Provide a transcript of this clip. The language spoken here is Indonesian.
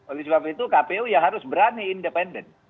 oleh sebab itu kpu ya harus berani independen